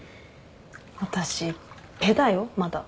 私ペだよまだ。